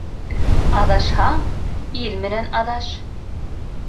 Аҙашһаң, ил менән аҙаш.